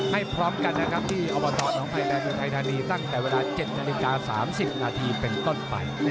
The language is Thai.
ให้พร้อมกันนะครับที่อวตอมน้องไผ่แดนอุทัยธานีตั้งแต่เวลา๗นาฬิกา๓๐นาทีเป็นต้นไป